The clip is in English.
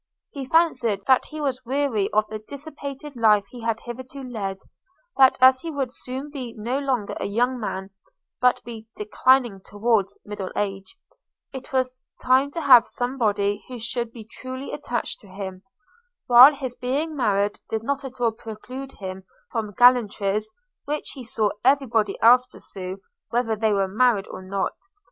He fancied, that he was weary of the dissipated life he had hitherto led; that as he would soon be no longer a young man, but be declining towards middle age, it was time to have somebody who should be truly attached to him; while his being married did not at all preclude him from gallantries, which he saw every body else pursue whether they were married or not.